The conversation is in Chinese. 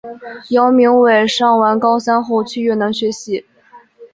姚明伟上完高三后去越南学习。